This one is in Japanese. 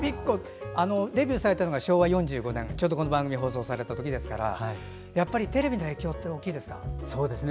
デビューされたのが昭和４５年、ちょうどこの番組が放送された時ですからやっぱりテレビの影響って大きいですか？